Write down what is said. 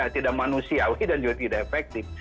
tidak manusiawi dan juga tidak efektif